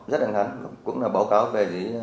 rất là ngắn cũng là báo cáo về